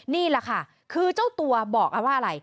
นี่แหละค่ะคือเจ้าตัวบอกกันว่าอะไร